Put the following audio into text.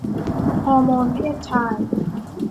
ฮอร์โมนเพศชาย